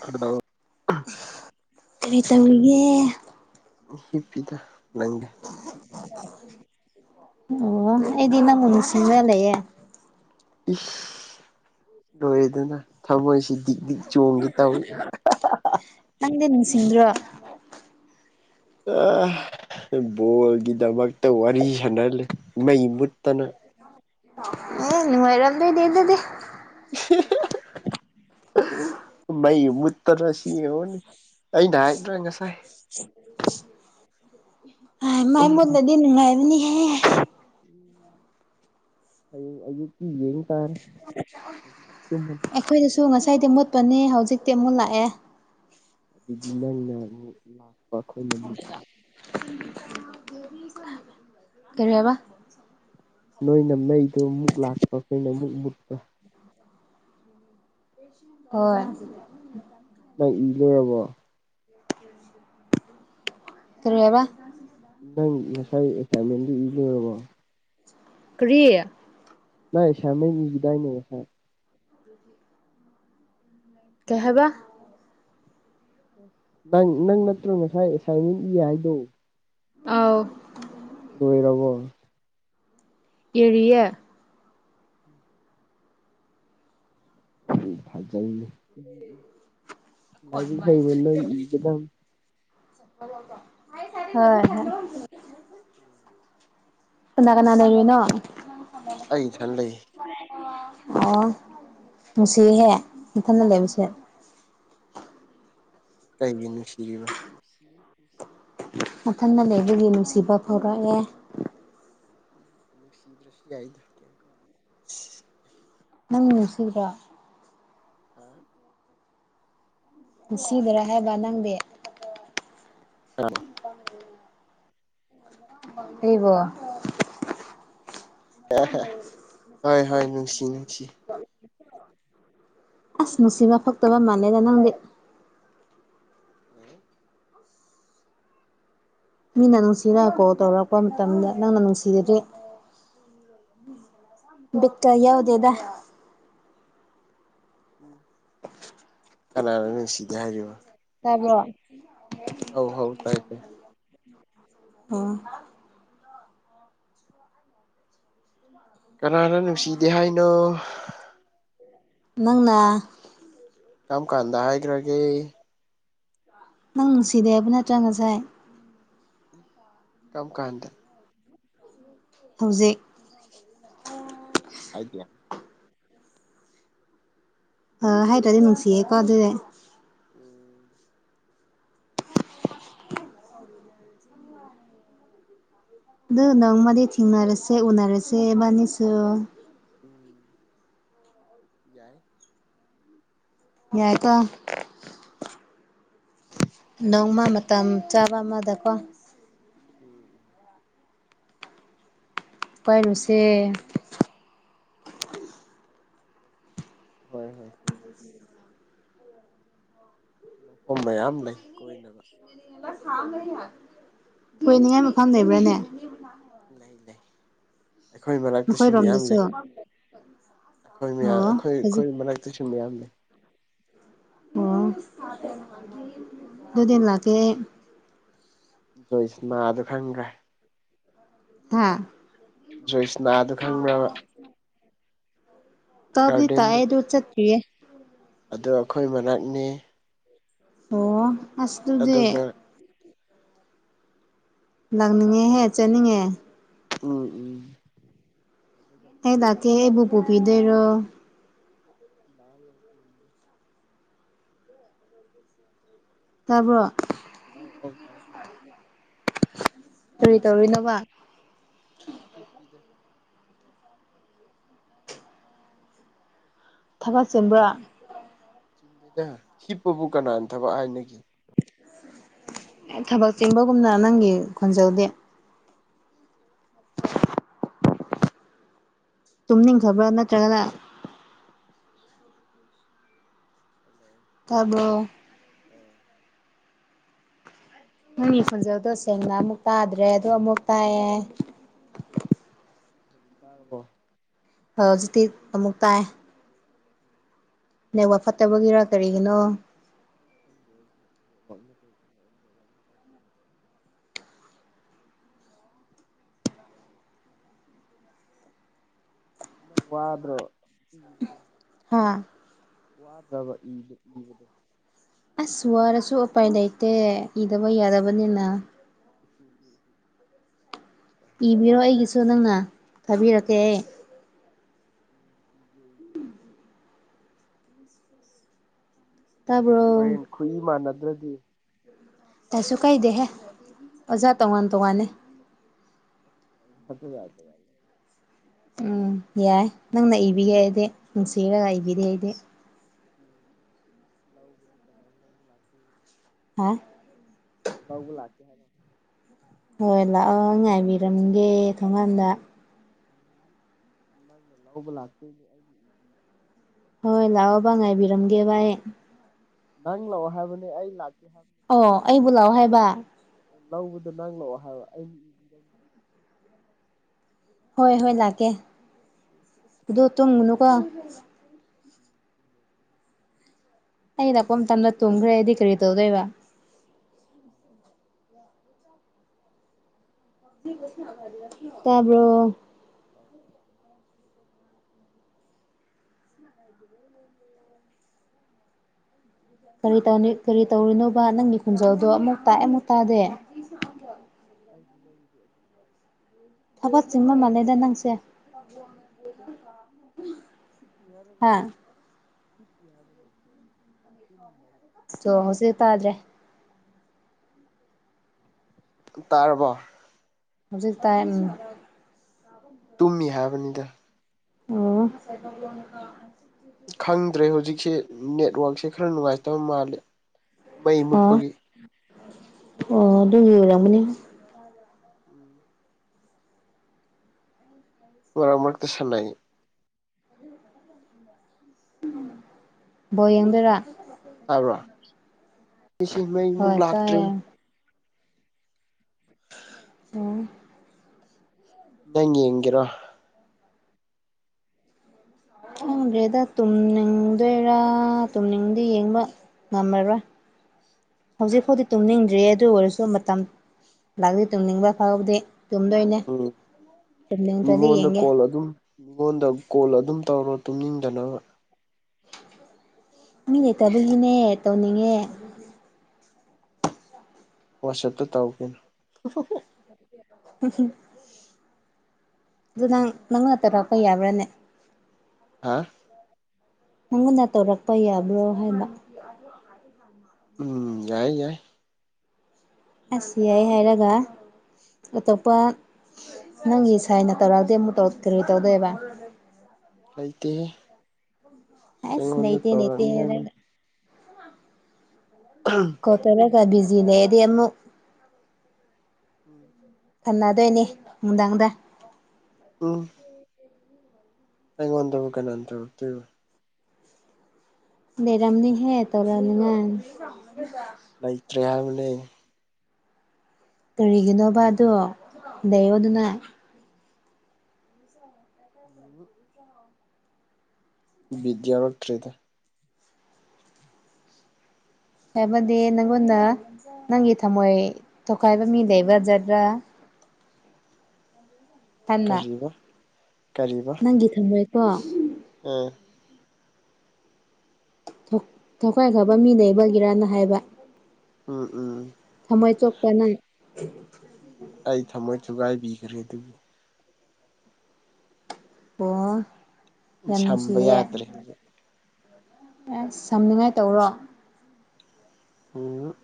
ꯑꯗꯣ ꯀꯔꯤ ꯇꯧꯔꯤꯒꯦ ꯍꯤꯞꯄꯤꯗ ꯅꯪꯗꯤ ꯑꯣ ꯑꯩꯗꯤ ꯅꯪ ꯅꯤꯡꯁꯤꯡꯁꯤꯡꯕ ꯂꯩꯌꯦ ꯏꯁ ꯂꯣꯏꯗꯅ ꯊꯃꯣꯏꯁꯤ ꯗꯤꯛ ꯗꯤꯛ ꯆꯣꯡꯒ ꯇꯧꯏꯤ ꯅꯪꯗꯤ ꯅꯤꯡꯁꯤꯡꯗ꯭ꯔꯣ ꯕꯣꯜꯒꯤꯗꯃꯛꯇ ꯋꯥꯔꯤ ꯁꯥꯟꯅꯍꯜꯂꯤ ꯃꯩ ꯃꯨꯠꯇꯅ ꯑꯦ ꯅꯨꯡꯉꯥꯏꯔꯝꯗꯨꯅꯦ ꯑꯗꯨꯗꯤ [unintelligible] ꯃꯩ ꯃꯨꯠꯇꯔ ꯁꯤ ꯌꯦꯡꯉꯣꯅꯤ ꯑꯩꯅ ꯍꯥꯏꯗ꯭ꯔꯥ ꯉꯁꯥꯏ ꯑ ꯃꯥꯏ ꯃꯣꯟꯗꯗꯤ ꯅꯨꯡꯉꯥꯏꯕꯅꯤꯍꯦ ꯑꯩ ꯑꯌꯨꯛꯀꯤ ꯌꯦ ꯇꯥꯔꯦ ꯇꯨꯝꯃꯅꯤ ꯑꯩꯈꯣꯏꯗꯁꯨ ꯉꯁꯥꯏꯗꯤ ꯃꯨꯠꯄꯅꯦ ꯍꯧꯖꯤꯛꯇꯤ ꯃꯨꯠꯂꯥꯛꯑꯦ ꯑꯗꯨꯗꯤ ꯅꯪꯅ ꯑꯃꯨ ꯂꯥꯛꯄ ꯑꯩꯈꯣꯏꯅ ꯃꯨꯠꯄ ꯀꯔꯤꯍꯥꯏꯕ ꯅꯣꯏꯅ ꯃꯩꯗꯨ ꯃꯨꯛ ꯂꯥꯛꯄ ꯑꯩꯈꯣꯏꯅ ꯑꯃꯨꯛ ꯃꯨꯠꯄ ꯍꯣꯏ ꯇ ꯏꯔꯦꯕꯣ ꯀꯔꯤ ꯍꯥꯏꯕ ꯅꯪ ꯉꯁꯥꯏ ꯑꯦꯁꯥꯏꯟꯃꯦꯟꯗꯨ ꯏ ꯂꯣꯏꯔꯕꯣ ꯀꯔꯤ ꯃꯥ ꯑꯁꯝꯃꯦ ꯏꯒꯤꯗꯥꯏꯅꯦ ꯉꯁꯥꯏ [inaudible] ꯀꯩ ꯍꯥꯏꯕ ꯅꯪ ꯅꯪ ꯅꯠꯇ꯭ꯔ ꯉꯥꯁꯥꯏ ꯑꯦꯁꯥꯏꯟꯃꯦꯟ ꯏ ꯍꯥꯏꯗꯣ ꯑꯥꯎ ꯂꯣꯏꯔꯕꯣ ꯀꯦꯔꯤꯌꯦ ꯐꯖꯅꯦ ꯎꯝ ꯎꯝ ꯂꯥꯏꯔꯤꯛ ꯍꯩꯕ ꯅꯣꯏ ꯏꯒꯗꯝ ꯍꯣꯏ ꯍꯣꯏ ꯀꯅꯥ ꯀꯅꯥ ꯂꯩꯅꯣ ꯑꯩ ꯏꯊꯟ ꯂꯩꯌꯦ ꯑꯣ ꯅꯨꯡꯁꯤꯍꯦ ꯏꯊꯟꯗ ꯂꯩꯕꯁꯦ ꯀꯩꯒꯤ ꯅꯨꯡꯁꯤꯔꯨꯕ ꯃꯊꯟꯗ ꯂꯩꯕꯒꯤ ꯅꯨꯡꯁꯤꯕ ꯐꯣꯔꯛꯑꯦ ꯎꯝ ꯅꯨꯡꯁꯤꯗ ꯔꯁꯤ ꯌꯥꯏꯗ ꯀꯝ ꯀꯥꯏ ꯅꯪ ꯅꯨꯡꯁꯤꯕ꯭ꯔꯣ ꯍꯥꯥ ꯁꯤꯗꯔꯥ ꯍꯥꯏꯕ ꯅꯪꯗꯤ ꯑ ꯑꯩꯕꯨ ꯍꯣꯏ ꯍꯣꯏ ꯅꯨꯡꯁꯤ ꯅꯨꯡꯁꯤ [unintelligible] ꯑꯁ ꯃꯁꯤꯡꯒ ꯐꯛꯇꯕ ꯃꯅꯦꯗ ꯅꯪꯗꯤ ꯎ ꯃꯤꯅ ꯅꯨꯡꯁꯤꯔꯒ ꯀꯣꯜ ꯇꯧꯔꯔꯛꯄ ꯃꯇꯝꯗ ꯅꯪꯅ ꯅꯨꯡꯁꯤꯔꯗꯤ ꯕꯤꯠꯀ ꯌꯥꯎꯗꯦꯗ ꯎ ꯀꯅꯥꯅꯣ ꯅꯨꯡꯁꯤꯗꯦ ꯍꯥꯏꯔꯤꯕ ꯇꯥꯕ꯭ꯔꯣ ꯍꯧ ꯍꯧ ꯇꯥꯏ ꯇꯦ ꯑꯣ ꯀꯅꯥꯅ ꯅꯨꯡꯁꯤꯗꯦ ꯍꯥꯏꯅꯣ ꯅꯪꯅ ꯀꯔꯝ ꯀꯥꯟꯗ ꯍꯥꯏꯈ꯭ꯔꯒꯦ ꯅꯪ ꯅꯨꯡꯁꯤꯗꯦ ꯍꯥꯏꯕ ꯅꯠꯇ꯭ꯔ ꯉꯁꯥꯏ ꯀꯃ ꯀꯥꯟꯗ ꯍꯧꯖꯤꯛ ꯍꯥꯏꯗ ꯍꯥꯏꯗ꯭ꯔꯗꯤ ꯅꯨꯡꯁꯤꯌꯦꯀꯣ ꯑꯗꯨꯗꯤ [inaudible] ꯑꯗꯨ ꯅꯪ ꯃꯗꯤ ꯊꯦꯡꯅꯔꯁꯦ ꯎꯅꯔꯁꯦꯕꯥꯅꯤꯁꯨ ꯎꯝ ꯌꯥꯏ ꯌꯥꯏꯀꯣ ꯍꯣꯏ ꯅꯣꯡꯃ ꯃꯇꯝ ꯆꯥꯕ ꯑꯃꯗꯀꯣ ꯎꯝ ꯎꯝ ꯎꯄꯥꯏꯃꯤꯁꯦ ꯍꯣꯏ ꯍꯣꯏ ꯊ ꯑꯗꯨ ꯃꯐꯝ ꯃꯌꯥꯝ ꯂꯩ ꯀꯣꯏꯅꯕ [unintelligible] ꯍꯣꯏꯅꯤꯡꯉꯥꯏ ꯃꯈꯥ ꯂꯩꯕ꯭ꯔꯥꯅꯦ ꯂꯩ ꯂꯩ ꯑꯩꯈꯣꯏ ꯃꯔꯅꯥꯛꯇꯁꯨ ꯃꯌꯥꯝ ꯂꯩ ꯍ ꯑꯩꯈꯣꯏ ꯃꯌꯥꯝ ꯑꯩꯈꯣꯏ ꯑꯩꯈꯣꯏ ꯃꯔꯅꯥꯛꯇꯁꯨ ꯃꯌꯥꯝ ꯂꯩ ꯑꯣ ꯑꯗꯨꯨꯗꯤꯟ ꯂꯒꯦ ꯖꯣꯏꯁꯥꯅ ꯑꯗꯨ ꯈꯪꯕ꯭ꯔꯥ ꯍ ꯖꯣꯏꯁꯅꯥ ꯑꯗꯨ ꯈꯪꯕ꯭ꯔꯕ ꯇꯞꯗꯤ ꯒꯥꯔꯗꯦꯟꯗꯣ ꯇꯥꯏꯌꯦꯗꯨ ꯆꯠꯦ ꯑꯗꯣ ꯑꯩꯈꯣꯏ ꯃꯅꯥꯛꯅꯤ ꯑꯣ ꯑꯁ ꯗꯨꯗꯤ ꯑꯗꯨꯒ ꯂꯥꯛꯅꯤꯡꯉꯦꯍꯦ ꯆꯠꯅꯤꯡꯉꯦ ꯎꯝ ꯎꯝ ꯀꯗꯔꯣ [unintelligible] ꯎ ꯇꯥꯕꯣ ꯑꯧ ꯑꯧ ꯍꯥꯎꯀꯦ ꯇꯧꯔꯤ ꯇꯧꯔꯤ ꯅꯣꯕ ꯍꯤꯞ ꯄꯤꯗ ꯊꯥꯒꯆꯦꯟꯕ꯭ꯔꯥ ꯆꯤꯟꯗꯦꯗ ꯍꯤꯞꯄꯕꯨ ꯀꯅꯥꯅ ꯊꯕꯛ ꯍꯥꯏꯅꯒꯤ ꯑꯦ ꯊꯕꯛ ꯆꯤꯟꯕꯒꯨꯝꯅ ꯅꯪꯒꯤ ꯈꯣꯟꯖꯧꯗꯤ ꯇꯨꯝꯅꯤꯡꯈꯕ꯭ꯔꯥ ꯅꯠꯇ꯭ꯔꯒꯅ ꯍꯜꯂꯣ ꯇꯥꯕꯔꯣ ꯎꯝ ꯅꯪꯒꯤ ꯈꯣꯟꯖꯦꯜꯗꯣ ꯁꯦꯡꯅ ꯑꯃꯨꯛ ꯇꯥꯗ꯭ꯔꯦ ꯑꯗꯣ ꯑꯃꯨꯛ ꯇꯥꯛꯑꯦ ꯍꯧꯖꯤꯛ ꯇꯥꯔꯕꯣ ꯍꯧꯖꯤꯛꯇꯤ ꯑꯃꯨꯛ ꯇꯥꯏ ꯅꯦꯋꯥ ꯐꯠꯇꯕꯒꯤꯔ ꯀꯔꯤꯒꯤꯅꯣ ꯈꯪꯗꯦ ꯑꯩꯁꯨ ꯅꯦꯠꯋꯥꯛꯅ ꯇꯧꯔꯤꯅꯦ ꯅꯦꯠꯋꯥꯛꯅ ꯅꯪ ꯋꯥꯗ꯭ꯔꯣ ꯏꯕꯗꯣ ꯍꯥꯥ ꯋꯥꯗ꯭ꯔꯕ ꯏꯕꯗꯣ ꯑꯁ ꯋꯥꯔꯁꯨ ꯎꯄꯥꯏ ꯂꯩꯇꯦ ꯏꯗꯕ ꯌꯥꯗꯕꯅꯤꯅ ꯎ ꯎꯝ ꯏꯕꯤꯔꯣ ꯑꯩꯒꯤꯁꯨ ꯅꯪꯅ ꯊꯥꯕꯤꯔꯛꯀꯦ ꯑꯩ ꯎꯝ ꯎꯝ ꯇꯥꯔꯕꯣ ꯍꯣꯔꯦꯟ ꯈꯨꯏ ꯃꯥꯟꯅꯗ꯭ꯔꯗꯤ ꯀꯥꯏꯁꯨ ꯀꯥꯏꯗꯦꯍꯦ ꯑꯣꯖꯥ ꯇꯣꯉꯥꯟ ꯇꯣꯉꯥꯟꯅꯤ ꯍꯥ ꯑꯗꯨ ꯌꯥꯗ ꯌꯥ ꯎꯝ ꯌꯥꯏ ꯅꯪꯅ ꯏꯕꯤꯒꯦ ꯑꯩꯗꯤ ꯅꯨꯡꯁꯤꯔꯒ ꯏꯕꯤꯔꯦ ꯑꯩꯗꯤ [unintelligible] ꯍꯥꯥ ꯂꯎꯕ ꯂꯥꯛꯆꯦ ꯍꯥꯏꯒ ꯍꯣꯏ ꯂꯥꯛꯑꯣ ꯉꯥꯏꯕꯤꯔꯝꯒꯦ ꯊꯣꯡꯉꯥꯟꯗ ꯅꯪꯅ ꯂꯧꯕ ꯂꯥꯛꯇꯣꯏꯅꯦ ꯑꯩꯒꯤ ꯏꯕꯤ ꯍꯣꯏ ꯂꯥꯛꯑꯣ ꯉꯥꯏꯕꯤꯔꯝꯒꯦ ꯚꯥꯏ ꯅꯪ ꯂꯥꯛꯑꯣ ꯍꯥꯏꯕꯅꯦ ꯑꯩ ꯂꯥꯛꯀꯦ ꯍꯥꯏꯕꯅꯤ ꯑꯣ ꯑꯩꯕꯨ ꯂꯥꯛꯑꯣ ꯍꯥꯏꯕ ꯂꯧꯕꯗꯣ ꯅꯪ ꯂꯛꯑꯣ ꯍꯥꯏꯕꯣ ꯑꯩꯅꯗ ꯍꯣꯏ ꯍꯣꯏ ꯂꯥꯛꯀꯦ ꯎꯝ ꯑꯗꯨ ꯇꯨꯝꯃꯨꯅꯨꯀꯣ [unintelligible] ꯑꯩ ꯂꯥꯛꯄ ꯃꯇꯝꯗ ꯇꯨꯝꯈ꯭ꯔꯦ ꯑꯩꯗꯤ ꯀꯔꯤ ꯇꯧꯗꯣꯏꯕ ꯇꯥꯕ꯭ꯔꯣ ꯑꯥꯎ ꯇꯥꯏ ꯇꯥꯏ [unintelligible] ꯀꯔꯤ ꯇꯧ ꯀꯔꯤ ꯇꯧꯔꯤꯅꯣꯕ ꯅꯪꯒꯤ ꯈꯨꯣꯟꯖꯦꯜꯗꯣ ꯑꯃꯨꯛ ꯇꯥꯛꯑꯦ ꯑꯃꯨꯛ ꯇꯥꯗꯦ ꯑꯩꯗꯤ ꯅꯪꯒꯤ ꯑꯗꯨꯝ ꯇꯥꯏ ꯊꯒꯠꯁꯤꯡꯤꯡꯃ ꯃꯥꯂꯗ ꯅꯪꯁꯦ ꯑꯣ ꯌꯥ ꯍꯤꯞꯄꯤ ꯍꯥꯏꯔꯒ ꯍꯥ ꯍꯥꯏꯕ ꯂꯩ ꯍꯥꯏꯕ ꯁꯣ ꯍꯁꯦ ꯇꯗ꯭ꯔꯦ ꯇꯥꯔꯕꯣ ꯍꯧꯖꯤꯛ ꯇꯥꯏ ꯇꯨꯝꯃꯤ ꯍꯥꯏꯕꯅꯤꯗ ꯑꯣ ꯈꯪꯗ꯭ꯔꯦ ꯍꯧꯖꯤꯛꯁꯦ ꯅꯦꯠꯋꯥꯛꯛꯁꯦ ꯈꯔ ꯅꯨꯡꯉꯥꯏꯇꯕ ꯃꯥꯜꯂꯤꯦ ꯃꯩ ꯑꯣ ꯃꯨꯠꯄꯒꯤ ꯑꯣ ꯑꯗꯨꯒꯤ ꯑꯣꯏꯔ ꯃꯅꯤ ꯎꯝ ꯃꯔ ꯃꯔꯛꯇꯁꯅꯥꯏ ꯕꯣꯜ ꯌꯦꯡꯗꯣꯏꯔꯥ ꯇꯥꯔꯣ ꯁꯤꯁꯤ ꯃꯩꯃꯨꯛ ꯍꯣꯏ ꯂꯥꯛꯇ꯭ꯔꯤ ꯇꯥꯏꯌꯦ ꯑꯣ ꯅꯪ ꯌꯦꯡꯒꯦꯔꯣ ꯈꯪꯗ꯭ꯔꯦꯗ ꯇꯨꯝꯅꯤꯡꯗꯣꯏꯔꯥ ꯇꯨꯝꯅꯤꯡꯗꯤ ꯌꯦꯡꯕ ꯉꯝꯃꯔꯣꯏ ꯍꯧꯖꯤꯛꯄꯨꯗꯤ ꯇꯨꯝꯅꯤꯡꯗ꯭ꯔꯤꯌꯦ ꯑꯗꯨ ꯑꯣꯏꯔꯁꯨ ꯃꯇꯝ ꯂꯥꯛꯂꯗꯤ ꯇꯨꯝꯅꯤꯡꯕ ꯐꯥꯎꯗꯦ ꯇꯨꯝꯗꯣꯏꯩꯅ ꯎꯝ ꯃꯤꯉꯣꯟꯗ ꯀꯣꯜ ꯑꯗꯨꯝ ꯃꯤꯉꯣꯟꯗ ꯀꯣꯜ ꯑꯗꯨꯝ ꯇꯧꯔꯣ ꯇꯨꯡꯅꯤꯡꯗꯅꯕ ꯃꯤ ꯂꯩꯇꯕꯒꯤꯅꯦ ꯇꯧꯅꯤꯡꯉꯦ ꯋꯥꯆꯞꯇ ꯇꯧꯒꯦꯅꯦ ꯎ ꯑꯗꯨꯗꯣ ꯅꯪ ꯅꯪꯅ ꯇꯔꯛꯄ ꯌꯥꯕ꯭ꯔꯥꯅꯦ ꯍꯥ ꯅꯪꯉꯣꯟꯅ ꯇꯧꯔꯛꯄ ꯌꯥꯕ꯭ꯔꯣ ꯍꯥꯏꯕ ꯔ ꯎꯝ ꯌꯥꯏꯌꯦ ꯌꯥꯏ ꯑꯁꯤ ꯌꯥꯏ ꯍꯥꯏꯔꯒ ꯑꯇꯣꯞꯄ ꯅꯪꯒꯤ ꯁꯥꯏꯅ ꯇꯧꯔꯛꯑꯗꯤ ꯑꯃꯨꯛ ꯀꯔꯤ ꯇꯧꯗꯣꯏꯕ ꯎ ꯂꯩꯇꯦꯍ ꯑꯁ ꯑꯩꯉꯣꯟꯗ ꯂꯩꯇꯦ ꯂꯩꯇꯦ ꯇꯧꯔꯅꯤꯉꯒꯤ ꯍꯥꯏꯔꯒ ꯑꯪ ꯀꯠꯇꯔ ꯒ ꯕꯤꯖꯤꯅꯦꯦꯗꯤ ꯑꯃꯨꯛ ꯎꯝ ꯊꯝꯅꯗꯣꯏꯅꯤ ꯅꯨꯡꯗꯥꯡꯗ ꯑꯣ ꯑꯩꯉꯣꯟꯗꯕꯨ ꯀꯅꯥꯅ ꯇꯧꯔꯛꯇꯨꯏꯕ ꯂꯩꯔꯝꯅꯤꯍꯦ ꯇꯧꯔꯝ ꯅꯤꯉꯥꯏ ꯂꯩꯇ꯭ꯔꯦ ꯍꯥꯏꯕꯅꯦ ꯀꯔꯤꯒꯤꯅꯣꯕ ꯑꯗꯣ ꯂꯩꯛ ꯑꯗꯨꯅ ꯎꯝ ꯕꯤꯗꯌꯥꯎꯔꯛꯇ꯭ꯔꯦꯗ ꯍꯥꯏꯕꯗꯤ ꯅꯪꯉꯣꯟꯗ ꯅꯪꯒꯤ ꯊꯝꯃꯣꯏ ꯊꯣꯈꯥꯏꯕ ꯃꯤ ꯂꯩꯕꯖꯗ꯭ꯔꯥ ꯀꯔꯤꯕ ꯀꯔꯤꯕ ꯒꯤ ꯊꯝꯃꯣꯏꯀꯣ ꯎꯝ ꯊꯈꯥꯏꯈꯕ ꯃꯤ ꯂꯩꯕꯒꯤꯔꯥꯅ ꯍꯥꯏꯕ ꯎꯝ ꯎꯝ ꯊꯝꯃꯣꯏ ꯆꯣꯛꯄ ꯅꯥꯏ ꯑꯩ ꯊꯃꯣꯏ ꯊꯨꯒꯥꯏꯕꯤꯈ꯭ꯔꯦ ꯑꯗꯨꯕꯨ ꯑꯣ ꯁꯝꯕ ꯌꯥꯝꯅꯨꯡꯁꯤꯌꯦ ꯌꯥꯗ꯭ꯔꯦ ꯍꯧꯖꯤꯛ ꯑꯁ ꯁꯝꯅꯤꯉꯥꯏ ꯇꯧꯔꯣ ꯑꯣ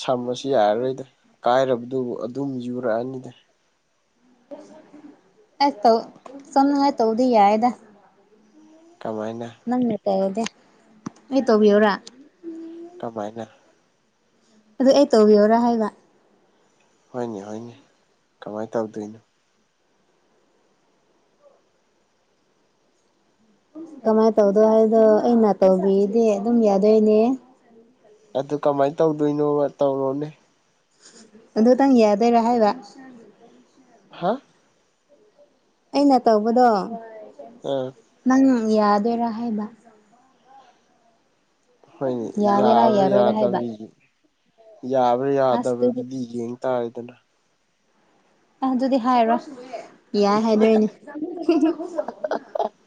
ꯁꯝ ꯑꯁꯤ ꯌꯥꯔꯔꯣꯏꯗ ꯀꯥꯏꯔꯕꯗꯨꯕꯨ ꯑꯗꯨꯝ ꯌꯨꯔꯛꯑꯅꯤꯗ ꯑꯁ ꯇꯧ ꯆꯝꯅꯥ ꯇꯧꯗ ꯌꯥꯏꯗ ꯀꯃꯥꯏꯅ ꯅꯪꯅ ꯇꯧꯗꯦ ꯑꯩ ꯇꯧꯕꯤꯌꯣꯔꯥ ꯀꯃꯥꯏꯅ ꯑꯗꯨ ꯑꯩ ꯇꯧꯕꯤꯌꯣꯔꯥ ꯍꯥꯏꯕ ꯍꯣꯏꯅꯦ ꯍꯣꯏꯅꯦ ꯀꯃꯥꯏꯅ ꯇꯧꯗꯣꯏꯅꯣ ꯀꯃꯥꯏꯅ ꯇꯧꯗꯣꯏ ꯍꯥꯏꯕꯗꯣ ꯑꯩꯅ ꯇꯧꯕꯤꯗꯤ ꯑꯗꯨꯝ ꯌꯥꯗꯣꯏꯅꯦ ꯑꯗꯨ ꯀꯃꯥꯏꯅ ꯇꯧꯗꯣꯏꯅꯣ ꯇꯧꯔꯣꯅꯦ ꯑꯗꯨꯇꯪ ꯌꯥꯗꯣꯏꯔꯥ ꯍꯥꯏꯕ ꯍꯥ ꯑꯩꯅ ꯇꯧꯕꯗꯣ ꯑꯥ ꯅꯪ ꯌꯥꯗꯣꯏꯔꯥ ꯍꯥꯏꯕ ꯍꯣꯏꯅꯦ ꯌꯥꯒꯦꯔꯥ ꯌꯥꯕ꯭ꯔꯥ ꯌꯥꯔꯣꯏꯔꯥ ꯍꯥꯏꯕ ꯌꯥꯗꯕ꯭ꯔꯥ ꯌꯥꯕ꯭ꯔꯥ ꯑꯁ ꯑꯗꯨꯗꯤ ꯌꯥꯗꯕ꯭ꯔꯗꯨꯗꯤ ꯌꯦꯡ ꯇꯥꯔꯦꯗꯅ ꯑ ꯑꯗꯨꯗꯤ ꯍꯥꯏꯔꯣꯏ ꯌꯥꯏ ꯍꯥꯏꯗꯣꯏꯅꯤ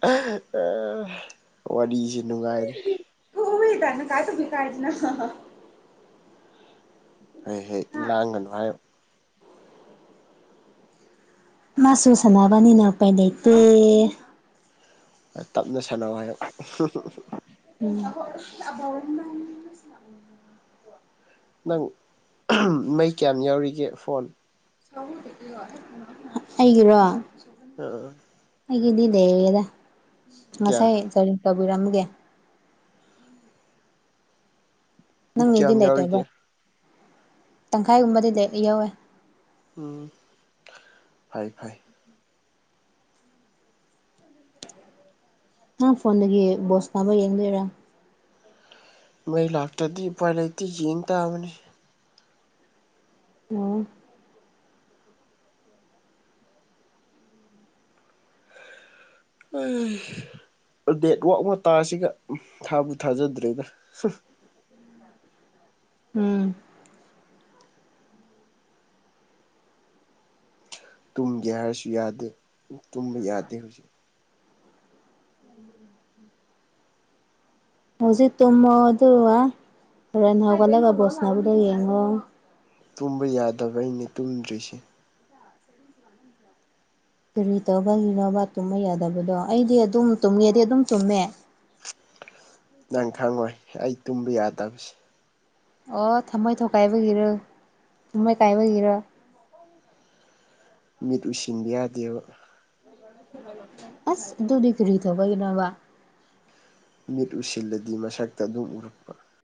ꯑ ꯋꯥꯔꯤꯁꯦ ꯅꯨꯡꯉꯥꯏꯔꯤ ꯎ ꯃꯤ ꯇꯅ ꯀꯥꯏ ꯇꯨꯃꯤ ꯀꯥꯏꯖꯅ ꯍꯦ ꯍꯦ ꯂꯥꯡꯒꯅꯨ ꯍꯥꯏꯌꯨ ꯃꯥꯁꯨ ꯁꯥꯟꯅꯕꯅꯤꯅ ꯎꯄꯥꯏ ꯂꯩꯇꯦ ꯇꯞꯅ ꯁꯥꯟꯅꯧ ꯍꯥꯏꯌꯣ ꯎꯝ ꯅꯪ ꯃꯩ ꯀꯌꯥꯝ ꯌꯥꯎꯔꯤꯒꯦ ꯐꯣꯟ ꯑꯩꯒꯤꯔꯣ ꯎꯝ ꯑꯩꯒꯤꯗꯤ ꯂꯩꯔꯦꯗ ꯀꯌꯥ ꯉꯁꯥꯏ ꯆꯥꯔꯖꯤꯡ ꯇꯧꯕꯤꯔꯝꯕꯒꯤ ꯅꯪꯒꯤꯗꯤ ꯀꯌꯥꯝ ꯂꯩꯇꯕ꯭ꯔ ꯌꯥꯎꯔꯤꯒꯦ ꯇꯪꯈꯥꯏꯒꯨꯝꯕꯗꯤ ꯌꯧꯋꯦ ꯎꯝ ꯐꯩ ꯐꯩ ꯅꯪ ꯐꯣꯟꯗꯒꯤ ꯕꯣꯜ ꯁꯥꯅꯕ ꯌꯦꯡꯗꯣꯏꯔꯥ ꯃꯩ ꯂꯥꯛꯇ꯭ꯔꯗꯤ ꯎꯄꯥꯏ ꯂꯩꯇꯦ ꯌꯦꯡ ꯇꯥꯕꯅꯤ ꯑꯣ ꯍꯩ ꯅꯦꯠꯋꯥꯔꯛ ꯃꯇꯥꯁꯤꯒ ꯊꯥꯕꯨ ꯊꯥꯖꯗ꯭ꯔꯦꯗ ꯎꯝ ꯇꯨꯝꯒꯦ ꯍꯥꯏꯔꯁꯨ ꯌꯥꯗꯦ ꯇꯨꯝꯕ ꯌꯥꯗꯦ ꯍꯧꯖꯤꯛ ꯍꯧꯖꯤꯛ ꯇꯨꯝꯃꯣ ꯑꯗꯨꯒ ꯍꯣꯔꯦꯟ ꯍꯧꯒꯠꯂꯒ ꯕꯣꯜ ꯁꯅꯕꯗꯨ ꯌꯦꯡꯉꯣ ꯇꯨꯝꯕ ꯌꯥꯗꯕꯩꯅꯦ ꯇꯨꯝꯗ꯭ꯔꯤꯁꯦ [unintelligible] ꯀꯔꯤ ꯇꯧꯕꯒꯤꯅꯣꯕ ꯇꯨꯝꯕ ꯌꯥꯗꯕꯗꯣ ꯑꯩꯗꯤ ꯑꯗꯨꯝ ꯇꯨꯝꯒꯦꯗꯤ ꯑꯗꯨꯝ ꯇꯨꯝꯃꯦ ꯅꯪ ꯈꯪꯉꯣꯏ ꯑꯩ ꯇꯨꯝꯕ ꯌꯥꯗꯕꯁꯦ ꯑꯣ ꯊꯃꯣꯏ ꯊꯨꯒꯥꯏꯕꯒꯤꯔꯣ ꯊꯃꯣꯏ ꯀꯥꯏꯕꯒꯤꯔꯣ ꯃꯤꯠ ꯎꯏꯁꯤꯟꯕ ꯌꯥꯗꯦꯕ ꯑꯁ ꯑꯗꯨꯗꯤ ꯀꯔꯤ ꯇꯧꯕꯩꯔꯕ ꯃꯤꯠ ꯎꯏꯁꯤꯜꯂꯗꯤ ꯃꯁꯛꯇꯣ ꯑꯗꯨꯝ ꯎꯔꯛꯄ